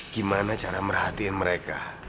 gimana cara merhatiin mereka